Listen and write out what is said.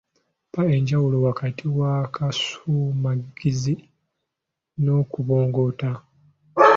Mpa enjawulo wakati w'akasumagizi n'okubongoota?